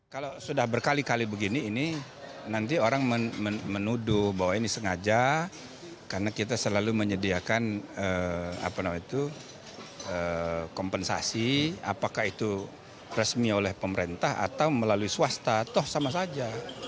kalau sudah berkali kali begini ini nanti orang menuduh bahwa ini sengaja karena kita selalu menyediakan kompensasi apakah itu resmi oleh pemerintah atau melalui swasta toh sama saja